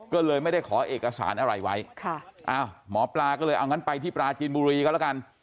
ก็เลยไม่ได้ขอเอกสารอะไรไว้ค่ะอ้าวหมอปลาก็เลยเอางั้นไปที่ปลาจีนบุรีก็แล้วกัน